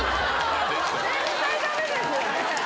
絶対だめですよ。